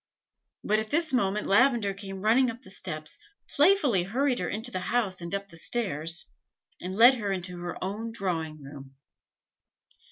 But at this moment Lavender came running up the steps, playfully hurried her into the house and up the stairs, and led her into her own drawing room.